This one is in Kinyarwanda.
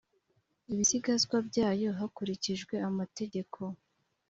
ibisigazwa byayo hakurikijwe amategeko